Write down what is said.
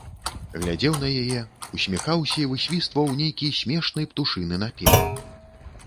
Глядзеў на яе, усміхаўся і высвістваў нейкі смешны птушыны напеў.